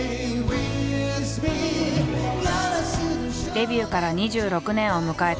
デビューから２６年を迎えた